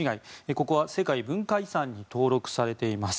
ここは世界文化遺産に登録されています。